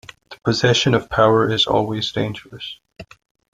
The possession of power is always dangerous.